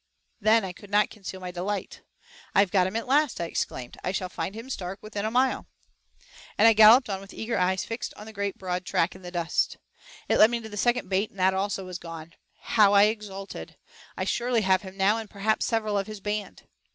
Then I could not conceal my delight. "I've got him at last," I exclaimed; "I shall find him stark within a mile," and I galloped on with eager eyes fixed on the great broad track in the dust. It led me to the second bait and that also was gone. How I exulted I surely have him now and perhaps several of his band.